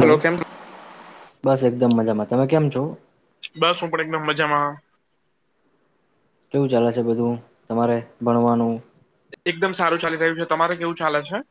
Hello કેમ બસ એકદમ મજામાં તમે કેમ છો? બસ હું પણ એકદમ મજામાં. કેવું ચાલે છે બધું તમારે ભણવાનું? એકદમ સારું ચાલી રહ્યું છે તમારે કેવું ચાલે છે?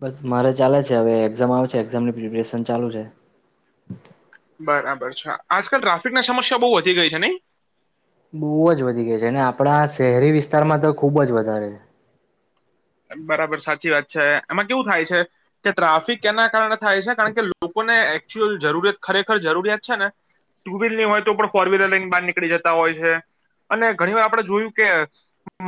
બસ મારે ચાલે છે હવે એક્ઝામ આવ છે એક્ઝામની પ્રિપેરેશન ચાલુ છે. બરાબર છે આજકાલ ટ્રાફિક ના સમસ્યા બહુ વધી ગઈ છે નઈ? બહુ જ વધી ગયા છે અને આપણા શહેરી વિસ્તારમાં તો ખુબ જ વધારે છે. બરાબર સાચી વાત છે એમાં કેવું થાય છે કે ટ્રાફિક કેના કારણે થાય છે કારણ કે લોકોને એકચુઅલ જરૂરત ખરેખર જરૂરિયાત છે ને ટુ વ્હીલની હોય તો ફોર વ્હીલર લઈન બહાર નીકળી જતા હોય છે અને ઘણી વાર આપડણે જોયું કે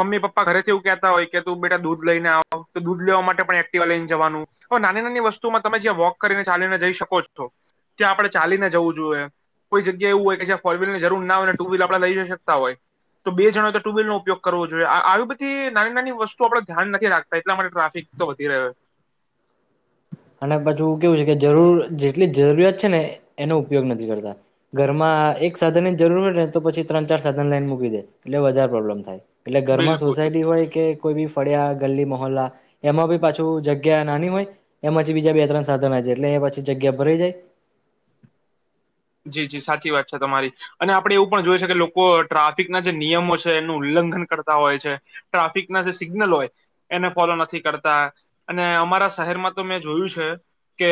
મમ્મી પપ્પા ઘરેથી એવું કહેતા હોય કે તું બેટા દૂર. લને આવ તો દૂધ લેવા માટે પણ એક્ટિવા લઈને જવાનું હવે નાની નાની વસ્તુમાં તમે જ્યાં વોક કરીને ચાલીને જઈ શકો છો ત્યાં આપણે ચાલીને જવું જોઈએ કોઈ જગ્યા એવું હોય કે જ્યા ફોર વ્લની જરૂર ના હોય ટુ વ્લ આપણે લઈ જઈ શકતા હોય તો બે જણ તો ટુ વલ નો ઉપયોગ કરવો જોઈએ આવી બધી નાની નાની વસ્તુ આપ. ધ્યાન નથી રાખતા એટલા માટે ટ્રાફિક તો વધી રહ્યો. અને પછું કેવું છે કે જરૂર જેટલી જરૂરિયાત છે ને એનો ઉપયોગ નથી કરતા ઘરમાં એક સાધન ની જરૂર હોડ ને તો પછી ત્રણ ચાર સાધન લઈને મૂકી દે એટલે વધારે પ્રોબ્લેમ થાય. એટલે ઘરમાં બિલકુલ સોસાયટી હોય કે. કોઈ બી ફળ્યા ગલ્લી મહોલ્લા એમાં બી પાછું જગ્યા નાની હોય. એમાંછી બીજા બે ત્રણ સાધન છે એટલે એ પછી જગ્યા ભરાઈ જાય. જી જી સાચી વાત છે તમારી અને આપડે એવું પણ જોય છે કે લોકો ટ્રાફિકના જે નિયમો છે એનું ઉલ્લંઘન કરતા હોય છે ટ્રાફિકના જે સિગ્નલ હોય એને ફોલો નથી કરતા અને અમારા શહેરમાં તો મેં જોયું છે કે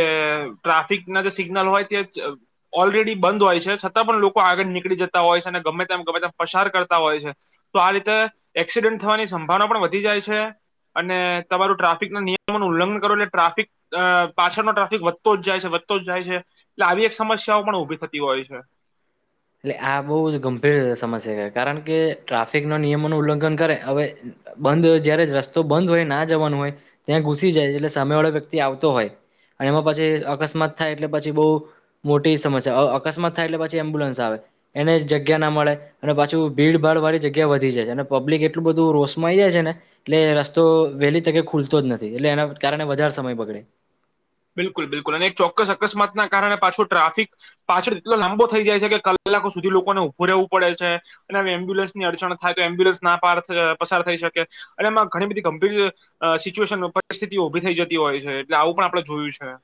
ટ્રાફિકના જે સિગ્નલ હોય તે. ઓલરેડી બંધ હોય છે છતાં પણ લોકો આગળ નીકળી જતા હોય છે અને ગમે તેમ ગમે તેમ પસાર કરતા હોય છે તો આ રીતે એક્સિડન્ટ થવાની સંભાવના પણ વધી જાય છે અને તમારું ટ્રાફિકના નિયમો ન ઉલ્લંઘન કરો એટલે ટ્રાફિક પાછળનો ટ્રાફિક વધતો જ જાય છે વધતો જ જાય છે એટલે આવી એક સમસ્યા. શિકા પણ ઉભી થતી હોય છે. એટલે આ બહુ જ ગંભીર સમસ્યા છે કારણ કે ટ્રાફિક ના નિયમો ન ઉલ્લંઘન કરે હવે બંધ જયારે રસ્તો બંધ હોય ના જવાનું હોય ત્યાં ઘુસી જાય એટલે સામે વાળો વ્યક્તિ આવતો હોય અને એમાં પછી અકસ્માત થાય એટલે પછી બહુ મોટી સમસ્યા અકસ્માત થાય એટલે પછી એમ્બ્યુલન્સ. આવે એને જગ્યા ના મળે અને પાછું ભીડ ભાડ વાળી જગ્યા વધી જાય છે અને પબ્લિક એટલું બધું રોષમાંઈ જાય છે ને એટલે રસ્તો વહેલી તકે ખુલતો જ નથી એટલે એના કારણે વધારે સમય બગડે. બિલકુલ બિલકુલ અને એક ચોક્કસ અકસ્માત ના કારણે પાછો ટ્રાફિક પાછળ એટલો લાંબો થઈ જાય છે કે કલાકો સુધી લોકોને ઉઊભું રહેવું પડે છે અને એમ્બ્યુલન્સની અડચણ થાય તો એમ્બ્યુલન્સ ના પસાર થઈ શકે અને એમાં ઘણી બધી ગંભીર સિચ્યુએશન પરિસ્થિતિઓ ઉઊભી થઈ જતી હોય છે એટલે આવું પણ આપ. જોયું છે.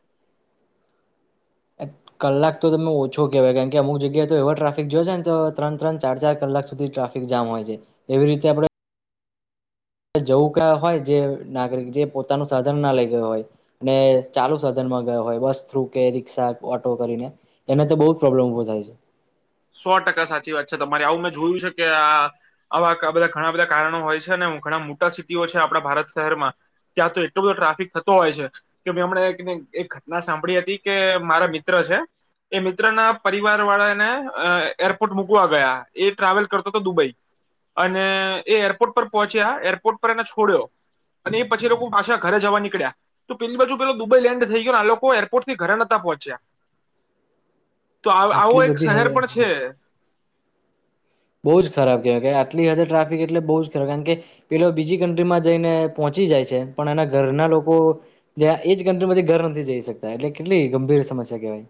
કલાક તો તમે ઓછો કેહેવાય કારણ કે અમુક જગ્યાએ તો એવા ટ્રાફિક જોયો છે ને તો ત્રણ ત્રણ ચાર ચાર કલાક સુધી ટ્રાફિક જામ હોય છે એવી રીતે આપડે. જવું ક હોય જે નાગરિક જે પોતાનું સાધન ના લઈ ગયો હોય અને ચાલુ સાધન માં ગયો હોય બસ થ્રુ કે રિક્ષા ઓટો કરીને એને તો બૌુ જ પ્રોબ્લેમ ઉઊભો થાય છે. સો ટકા સાચી વાત છે તમારે આવું મેં જોયું છે કે આવા બધા ઘણા બધા કારણો હોય છે ને ઘણા મોટા સિટીઓ છે આપણા ભારત શહેરમાં ત્યાં તો એટલો બધો ટ્રાફિક થતો હોય છે કે ભ હમને એક ઘટના સાંભળી હતી કે મારા મિત્ર છે એ મિત્ર ના પરિવાર વાળાને. અ એરપોર્ટ મૂકવા ગયા એ ટ્રાવેલ કરતો હતો દુબઈ અને એ એરપોર્ટ પર પહોંચ્યા એરપોર્ટ પર એને છોડ્યો અને એ પછી લોકો પાછા ઘરે જવા નીકળ્યા તો પેલી બાજુ પેલો દુબઈ લેન્ડ થઈ ગયો આ લોકો એરપોર્ટથી ઘરે નહતા પહોંચ્યા. તો આવો આટલી એક બધી શહેર. હદે પણ છે. બહુ જ ખરાબ કેહેવાય કે આટલી હદ ટ્રાફિક એટલે બહ જ ખરાબ કારણ કે પેલો બીજી કન્ટ્રીમાં જઈને પહોંચી જાય છે પણ એના ઘરના લોકો ત્યાં એજ કન્ટ્રીમાંથી ઘર નથી જઈ શકતા એટલે કેટલી ગંભીર સમસ્યા કેહેવાય.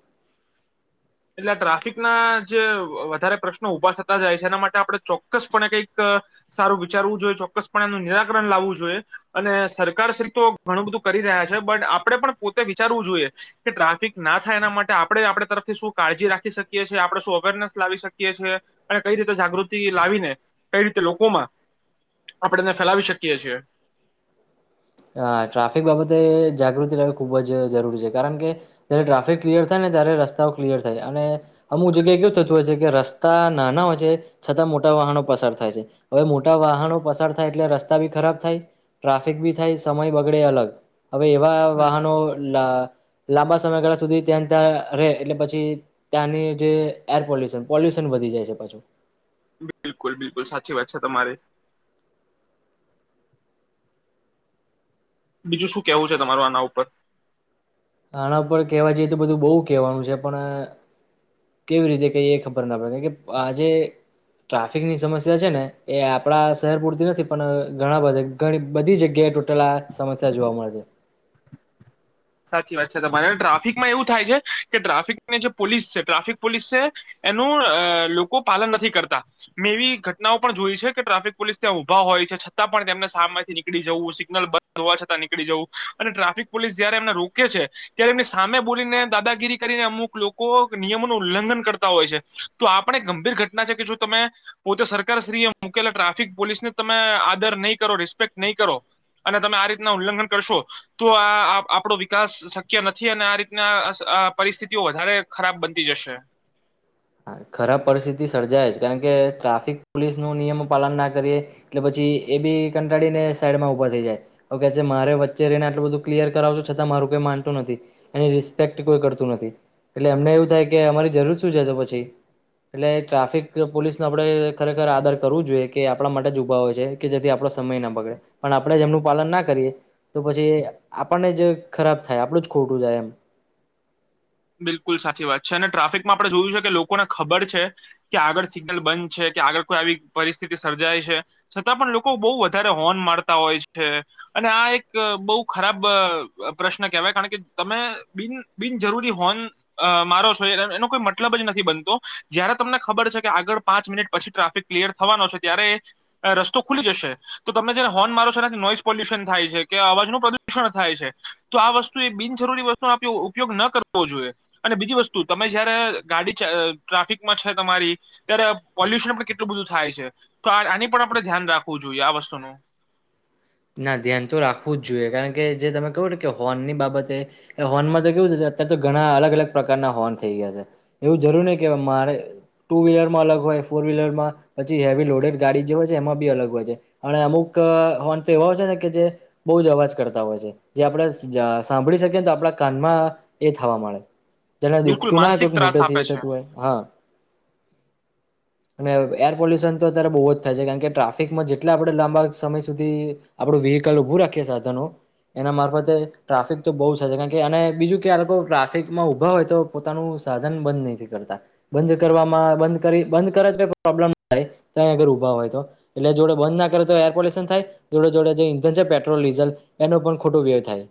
એટલે ટ્રાફિક ના જે વધારે પ્રશ્નો ઉભા થતા જાય છે એના માટે આપડણે ચોક્કસપણે કંઈક સારું વિચારવું જોઈએ ચોક્કસપણે એનું નિરાકરણ લાવવું જોઈએ અને સરકાર શ્રી તો ઘણું બધું કરી રહ્યા છે બટ આપણેે પણ પોતે વિચારવું જોઈએ કે ટ્રાફિક ના થાય એના માટે આપણે આપણે તરફથી શું. કાળજી રાખી શકીએ છીએ આપણે શું અવેરનેસ લાવી શકીએ છીએ અને કઈ રીતે જાગૃતિ લાવીને કઈ રીતે લોકોમાં આપણેને ફેલાવી શકીએ છીએ. હ ટ્રાફિક બાબતે જાગૃતિ રહેવી ખૂબ જ જરૂરી છે કારણ કે જયારે ટ્રાફિક ક્લિયર થાય ને ત્યારે રસ્તાઓ ક્લિયર થાય અને અમુક જગ્યાએ કેવું થતું હોય છે કે રસ્તા નાના હોય છે છતાં મોટા વાહનો પસાર થાય છે હવે મોટા વાહનો પસાર થાય એટલે રસ્તા બી ખરાબ થાય ટ્રાફિક બી. થાય સમય બગડે અલગ. હવે એવા હમ વાહનો લા લાંબા સમયગાળા સુધી ત્યાં ત્યાં રહે એટલે પછી ત્યાંની જે એર પોલ્યુશન પોલ્યુશન વધી જાય છે પાછું. બિલકુલ બિલકુલ સાચી વાત છે તમારી. બીજું શું કેવું છે તમારું આના ઉપર. આના ઉપર કહેવા જઈએ તો બધું બહુ કહેવાનું છે પણ કેવી રીતે કઈ એ ખબર ના પડે કે આજે ટ્રાફિકની સમસ્યા છે ને એ આપણા શહેર પૂરતી નથી પણ ઘણા બધાણી બધી જગ્યાએ તૂટેલા આ સમસ્યા જોવા મળે છે. સાચી વાત છે તમારે ટ્રાફિકમાં એવું થાય છે કે ટ્રાફિકની જે પોલીસ છે ટ્રાફિક પોલીસ છે એનું અ લોકો પાલન નથી કરતા મેં એવી ઘટનાઓ પણ જોય છે કે ટ્રાફિક પોલીસ ત્યાં ઊભા હોય છે છતાં પણ તેમને શામાંથી નીકળી જવું સિગ્નલ બંધ હોવા છતાં નીકળી જવું અને ટ્રાફિક પોલીસ. જયારે રોકે છે ત્યારે એમની સામે બોલીને દાદાગીરી કરીને અમુક લોકો નિયમોનું ઉલ્લંઘન કરતા હોય છે તો આપ પણ એક ગંભીર ઘટના છે કે જો તમે પોતે સરકારશ્રીએ મૂકેલા ટ્રાફિક પોલીસને તમે આદર નહી કરો રિસ્પેક્ટ નહી કરો અને તમે આ રીતના ઉલ્લંઘન કરશો તો આ. આપણો વિકાસ શક્ય નથી અને આ રીતના અ પરિસ્થિતિઓ વધારે ખરાબ બનતી જશે. ખરાબ પરિસ્થિતિ સર્જાય જ કારણ કે ટ્રાફિક પોલીસ ન નિયમ પાલન ના કરીએ એટલે પછી એ બી કંટાળીને સાઈડમાં ઊભા થઈ જાય હવે કેહે મારે વચ્ચે રહીને આટલું બધું ક્લિયર કરાવશો છતાં મારું કોઈ માનતું નથી એની રિસ્પેક્ટ કોઈ કરતું નથી એટલે એમને એવું થાય કે અમારી જરૂર શું છે તો પછી. એટલે ટ્રાફિક પોલીસને આપડે. ખરેખર આદર કરવું જોઈએ કે. કે આપણા માટે જ ઊભા હોય છે કે જેથી આપણો સમય ના પગડે પણ આપણે એમનું પાલન ના કરીએ તો પછી આપણને જ ખરાબ થાય આપણું જ ખોટું જાય એમ. બિલકુલ સાચી વાત છે અને ટ્રાફિકમાં આપડણે જોયું છે કે લોકોને ખબર છે કે આગળ સિગ્નલ બંધ છે કે આગળ કોઈ આવી પરિસ્થિતિ સર્જાય છે છતાં પણ લોકો બઉુ વધારે હોર્ન મારતા હોય છે અને આ એક બહુ ખરાબ પ્રશ્ન કેહેવાય કારણ કે તમે બિન બિનજરૂરી. હોર્ન અ મારો છો એનો કોઈ મતલબ જ નથી બનતો જયારે તમને ખબર છે કે આગળ પાંચ મિનિટ પછી ટ્રાફિક ક્લિયર થવાનો છે ત્યારે રસ્તો ખુલી જશે તો તમને જયારે હોર્ન મારો છો એનાથી નોઈઝ પોલ્યુશન થાય છે કે અવાજનું પ્રદુષણ થાય છે તો આ વસ્તુ એ બિનજરૂરી વસ્તુ ઉ ઉપયોગ ન કર. વો જોઈએ અને બીજી વસ્તુ તમે જયારે ગાડી ટ્રાફિકમાં છે તમારી ત્યારે પોલ્યુશન પણ કેટલું બધું થાય છે તો આ આની પણ આપણે ધ્યાન રાખવું જોઈએ આ વસ્તુનું. ના ધ્યાન તો રાખવું જ જોઈએ કારણ કે જે તમે કહો ને કે હોર્નની બાબતે હોર્નમાં તો કેવું અત્યારે તો ઘણા અલગ અલગ પ્રકારના હોર્ન થઈ ગયા છે એવું જરૂર ન કે મારે ટુ વ્હીલરમાં અલગ હોય ફોર વ્હીલરમાં પછી હેવી લોડેડ ગાડી જે હોય છે એમાં બી અલગ હોય છે અને અમુક હોર્ન. એવા હોય છે ને કે જે બહુ જ અવાજ કરતા હોય છે જે આપણે સાંભળી શકીએ તો આપણા કાનમાં એ થવા મળે. તેને બિલકુલ દુઃખતું ના કોઈક માનસિક ત્રાસ મોટેથી આપે છે થતું હોય હા. અને એર પોલ્યુશન તો અત્યારે બહુ જ થાય છે કારણ કે ટ્રાફિકમાં જેટલા આપણે લાંબા સમય સુધી. આપડું વ્હીકલ ઊભું રાખીએ સાધનો એના મારફતે ટ્રાફિક તો બહુ શે કારણ કે અને બીજું કે આ લોકો ટ્રાફિકમાં ઉભા હોય તો પોતાનું સાધન બંધ નથી કરતા બંધ કરવામાં બંધ કરી બંધ કરે તો પ્રોબ્લેમ થાય અગર ઊભા હોય તો એટલે જોડે બંધ ના કરે તો એર પોલ્યુશન થાય. જોડે જોડે જે ઇંધન છે પેટ્રોલ ડીઝલ એનો પણ ખોટો વ્યય થાય.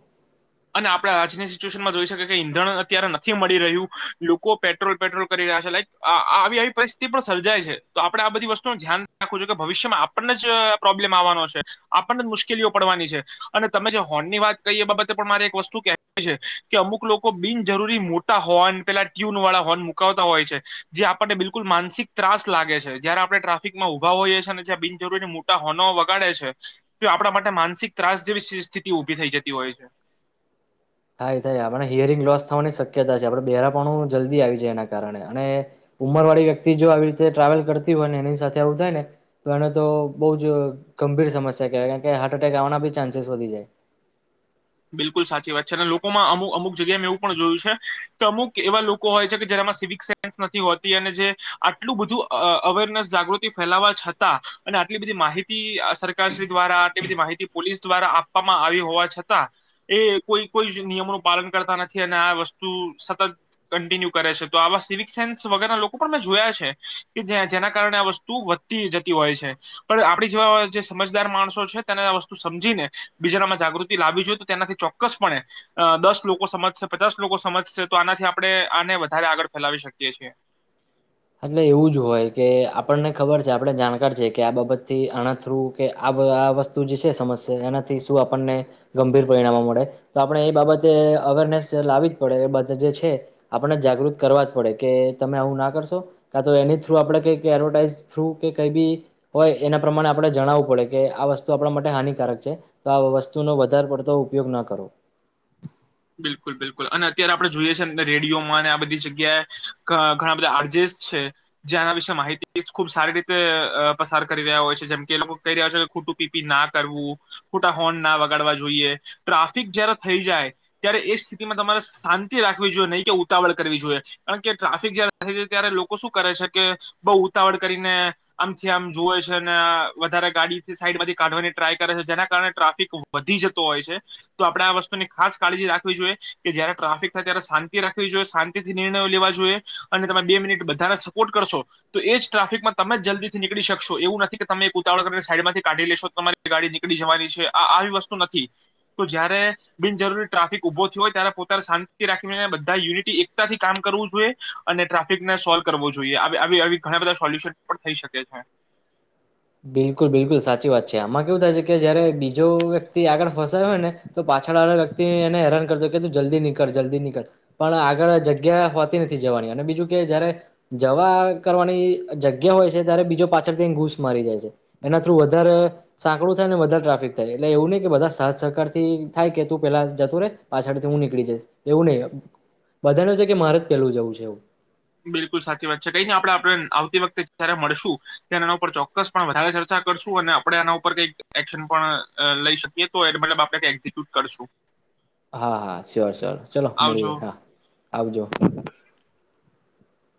અને આપણે આજની સિચ્યુએશનમાં જોઈ શકીએ કે ઈંધણ અત્યારે નથી મળી રહ્યું લોકો પેટ્રોલ પેટ્રોલ કરી રહ્યા છે લાઈક આવી આવી પરિસ્થિતિ પણ સર્જાય છે તો આપડણે આ બધી વસ્તુનું ધ્યાન રાખું છું કે ભવિષ્યમાં આપણને જ પ્રોબ્લેમ આવવાનો છે આપણને જ મુશ્કેલીઓ પડવાની છે અને તમે જે હોર્ન ની વાત કરીએ બાબત. પણ મારે એક વસ્તુ કે છે કે અમુક લોકો બિનજરૂરી મોટા હોર્ન પેલા ટ્યુન વાળા હોર્ન મુકાવતા હોય છે જે આપણને બિલકુલ માનસિક ત્રાસ લાગે છે જયારે આપણે ટ્રાફિકમાં ઉભા હોઈએ છીએ અને જં બિનજરૂરી મોટા હોર્નો વગાડે છે તો આપણા માટે માનસિક ત્રાસ જેવી સ્થિતિ ઉભી થઈ જતી હોય છે. થાય થાય આપણે હિયરિંગ લોસ થવાની શક્યતા છે આપણે બહેરાપણું જલ્દી આવી જાય એના કારણે અને ઉંમરવાળી વ્યક્તિ જો આવી રીતે ટ્રાવેલ કરતી હોય ને એની સાથે આવું થાય ને તો એને તો બહુ જ ગંભીર સમસ્યા કહેવાય કારણ કે હાર્ટ એટેક આવવાના બી ચાન્સીસ વધી જાય. બિલકુલ સાચી વાત છે અને લોકોમાં અમુક અમુક જગ્યાએ મેં એવું પણ જોયું છે કે અમુક એવા લોકો હોય છે કે જેમાં સિવિક સેન્સ નથી હોતી અને જે આટલું બધું અ અવેરનેસ જાગૃતિ ફેલાવા છતાં અને આટલી બધી માહિતી સરકારશ્રી દ્વારા આટલી બધી માહિતી પોલીસ દ્વારા આપવામાં આવી હોવા છતાં. એ કોઈ કોઈ નિયમોનું પાલન કરતા નથી અને આ વસ્તુ સતત કન્ટિન્યુ કરે છે તો આવા સિવિક સેન્સ વગરના લોકો પણ મેં જોયા છે કે જેના કારણે આ વસ્તુ વધતી જતી હોય છે પણ આપડી જેવા જે સમજદાર માણસો છે તેને આ વસ્તુ સમજીને બીજામાં જાગૃત. લાવ જોઈએ તો તેનાથી ચોક્કસપણે અ દસ લોકો સમજશે પચાસ લોકો સમજશે તો આનાથી આપણે આને વધારે આગળ ફેલાવી શકીએ છીએ. એટલે એવું જ હોય કે આપણને ખબર છે આપણે જાણકાર છે કે આ બાબતથી આના થ્રુ કે આ આ વસ્તુ જે છે સમસ્યા એનાથી શું આપણને ગંભીર પરિણામો મળે તો આપણે એ બાબતે અવેરનેસ લાવી જ પડે એ બા જે છે આપણને જાગૃત કરવા જ પડે કે તમે આવું ના કરશો. કા તો એની થ્રુ આપણે ક એડવર્ટાઈઝ થ્રુ કે કઈ બી હોય એના પ્રમાણે આપણે જણાવવું પડે કે આ વસ્તુ આપણા માટે હાનિકારક છે તો આ વસ્તુનો વધારે પડતો ઉપયોગ ના કરો. બિલકુલ બિલકુલ અને અત્યારે આપણે જોઈએ છેએ રેડિયોમાં અને આ બધી જગ્યાએ ઘ ઘણા બધા આર્જેસ છે જેના વિશે માહિતી ખૂબ સારી રીતે પસાર કરી રહ્યા હોય છે જેમ કે એ લોકો કહી રહ્યા છે કે ખોટું પીપી ના કરવું ખોટા હોર્ન ના વગાડવા જોઈએ ટ્રાફિક જય્યારે થઈ જાય. ત્યારે એ સ્થિતિમાં તમારે શાંતિ રાખવી જોઈએ નહી કે ઉતાવળ કરવી જોઈએ કારણ કે ટ્રાફિક જયારે થય જાય ત્યારે લોકો શું કરે છે કે બહુ ઉતાવળ કરીને આમથી આમ જુવે છે અને વધારે ગાડીથી સાઈડમાંથી કાઢવાની ટ્રાય કરે છે જેના કારણે ટ્રાફિક વધી જતો હોય છે તો આપડણે આ વસ્તુની ખાસ. કાળજી રાખવી જોઈએ કે જયારે ટ્રાફિક થાય ત્યારે શાંતિ રાખવી જોઈએ શાંતિથી નિર્ણયો લેવા જોઈએ અને તમે બે મિનિટ બધાને સપોર્ટ કરશો તો એ જ ટ્રાફિકમાં તમે જલ્દીથી નીકળી શકશો એવું નથી કે તમે એક ઉતાવળ કરીને સાઈડમાંથી કાઢી લેશો તમારી ગાડી નીકળી જવાની છે આ આવી વસ્તુ નથી તો જયારે બિનજરૂરી. ટ્રાફિક ઉભો થ હોય ત્યારે પોતા શાંતિથી રાખી બધા યુનિટી એકતાથી કામ કરવું જોઈએ અને ટ્રાફિકને સોલ્વ કરવું જોઈએ આવી આવી ઘણા બધા સોલ્યુશન પણ થઈ શકે છે. બિલકુલ બિલકુલ સાચી વાત છે આમાં કેવું થાય છે કે જયારે બીજો વ્યક્તિ આગળ ફસાય હોય ને તો પાછળ વાળા વ્યક્તિ એને હેરાન કરતો કે તું જલ્દી નીકળ જલ્દી નીકળ પણ આગળ જગ્યા હોતી નથી જવાની અને બીજું કે જયારે જવા કરવાની જગ્યા હોય છે ત્યારે બીજો પાછળથી ઘૂસ મારી જાય છે. એના થ્રુ વધારે સાંકડું થાય વધારે ટ્રાફિક થાય એટલે એવું નહિ કે બધા સહકાર થી થાય કે તું પેલા જતું રે પાછળથી હું નીકળી જઈશ એવું નહિ બધાને છે કે મારે જ પેલું જવું છે એવું. બિલકુલ સાચી વાત છે કઈ નહી આપણે આપણે આવતી વખતે જયારે મળશું ત્યારે એના ઉપર ચોક્કસ પણ વધારે ચર્ચા કરશું અને આપણે એના ઉપર કઈક એક્શન પણ લઈ શકીએ તો એ મતલબ આપણે ક એક્ઝિક્યુટ કરશું. હા હા સ્યોર સ્યોર ચલો મળીએ આવજો હા આવજો.